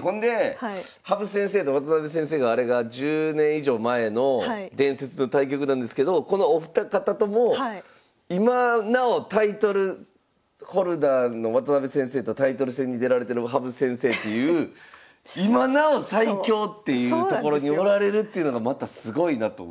ほんで羽生先生と渡辺先生のあれが１０年以上前の伝説の対局なんですけどこのお二方とも今なおタイトルホルダーの渡辺先生とタイトル戦に出られてる羽生先生という今なお最強っていうところにおられるっていうのがまたすごいなと思います。